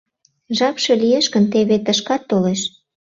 Жапше лиеш гын, теве тышкат толеш.